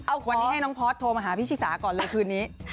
วันนี้ให้น้องพอร์ตโทรมาหาพี่ชิสาก่อนเลยคืนนี้